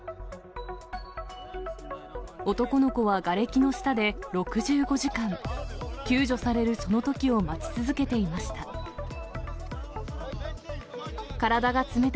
男の子はがれきの下で６５時間、救助されるその時を待ち続けていました。